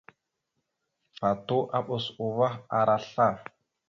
Patu aɓas uvah ara sla.